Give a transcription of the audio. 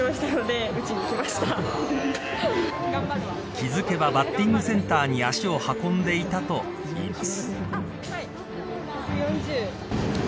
気付けばバッティングセンターに足を運んでいたと言います。